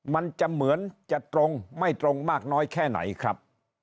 มันจะเหมือนจะตรงไม่ตรงมากน้อยแค่ไหนครับ